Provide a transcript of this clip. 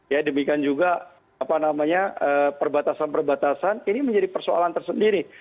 ya demikian juga apa namanya perbatasan perbatasan ini menjadi persoalan tersendiri